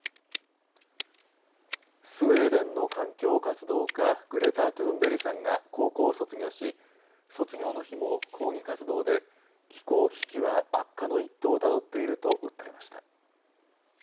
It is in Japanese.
スウェーデンの環境活動家、グレタ・トゥーンベリさんが高校を卒業し卒業の日も抗議活動で気候危機は悪化の一途をたどっていると訴えました。